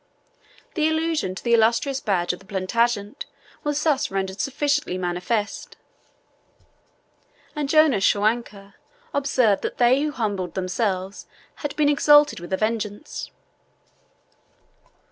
The allusion to the illustrious badge of Plantagenet was thus rendered sufficiently manifest, and Jonas Schwanker observed that they who humbled themselves had been exalted with a vengeance.